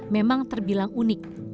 memang terbilang unik